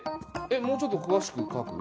もうちょっと詳しく描く？